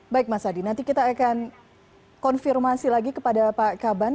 baik mas adi nanti kita akan konfirmasi lagi kepada pak kaban